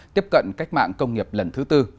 tiếp cận cách mạng công nghiệp lần thứ tư